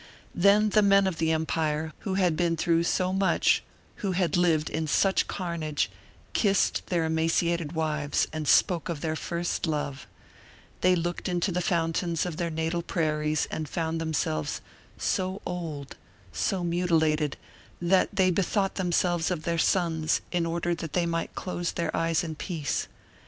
Then the men of the Empire, who had been through so much, who had lived in such carnage, kissed their emaciated wives and spoke of their first love; they looked into the fountains of their natal prairies and found themselves so old, so mutilated, that they bethought themselves of their sons, in order that they might close their eyes in peace.